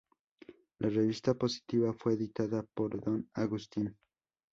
La revista positiva fue editada por don Agustín.